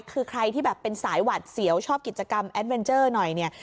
คือใครที่แบบเป็นสายหวัดเสียวชอบกิจกรรมแอดเวนเจอร์หน่อยเนี่ย